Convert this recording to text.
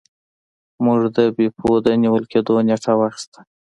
موږ د بیپو د نیول کیدو نیټه واخیسته.